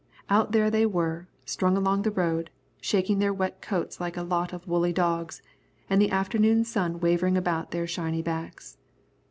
Out there they were, strung along the road, shaking their wet coats like a lot of woolly dogs, and the afternoon sun wavering about on their shiny backs.